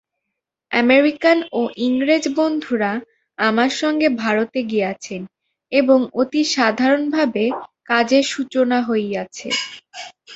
American ও ইংরেজ বন্ধুরা আমার সঙ্গে ভারতে গিয়াছেন এবং অতি-সাধারণভাবে কাজের সূচনা হইয়াছে।